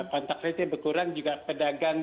kontak rate berkurang juga pedagang